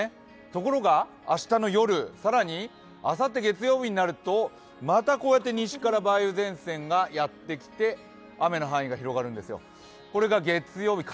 ところが、明日の夜、更にあさって月曜日になるとまたこうやって西から梅雨前線がやってきて雨の範囲が広がるんですよ。